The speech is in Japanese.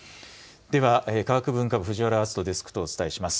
では、科学文化部、藤原淳登デスクとお伝えします。